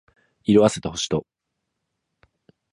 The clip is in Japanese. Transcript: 色褪せた星と